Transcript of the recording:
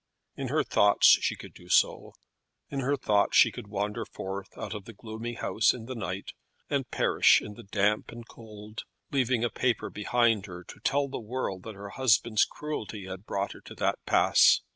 In her thoughts she could do so; in her thoughts she could wander forth out of the gloomy house in the night, and perish in the damp and cold, leaving a paper behind her to tell the world that her husband's cruelty had brought her to that pass.